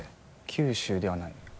九州ではない。